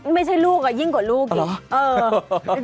ไม่ใช่ลูกยิ่งกว่าลูกอีก